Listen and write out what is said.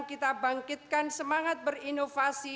kita bangkitkan semangat berinovasi